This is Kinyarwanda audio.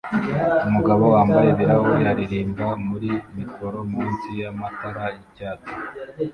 Umugabo wambaye ibirahuri aririmba muri mikoro munsi yamatara yicyatsi